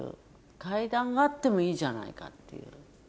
階段があってもいいじゃないかっていう。